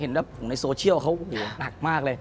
เห็นกัดของในโซเชียลเขาก็หนักมากเลย